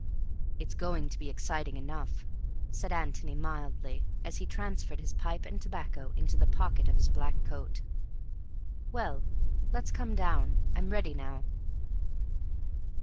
"It's going to be exciting enough," said Antony mildly, as he transferred his pipe and tobacco into the pocket of his black coat. "Well, let's come down; I'm ready now."